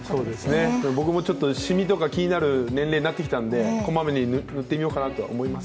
僕もシミとか気になる年齢になってきたので、こまめに塗ってみようかなとは思います。